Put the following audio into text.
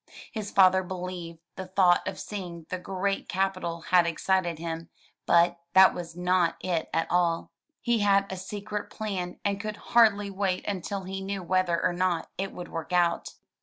His father believed the thought of seeing the great capital had excited him, but that was not it at all. He had a secret plan and could hardly wait until he knew whether or not it would work out.